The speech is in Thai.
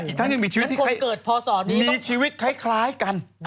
อีกท่านยังมีชีวิตคล้ายกัน